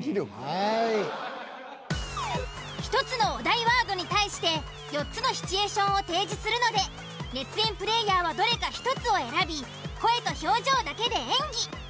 １つのお題ワードに対して４つのシチュエーションを提示するので熱演プレイヤーはどれか１つを選び声と表情だけで演技。